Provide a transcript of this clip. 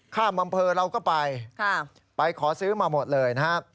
ข้ามอำเภอเราก็ไปไปขอซื้อมาหมดเลยนะครับ